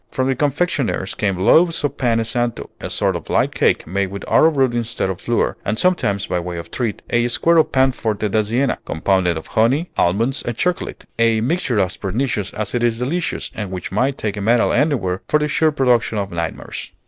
From the confectioners came loaves of pane santo, a sort of light cake made with arrowroot instead of flour; and sometimes, by way of treat, a square of pan forte da Siena, compounded of honey, almonds, and chocolate, a mixture as pernicious as it is delicious, and which might take a medal anywhere for the sure production of nightmares.